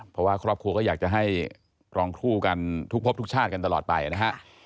เพราะว่าครอบครัวก็อยากจะให้รองคู่กันทุกพบทุกชาติกันตลอดไปนะฮะ